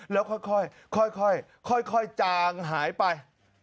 แล้วค่อยจางหายไป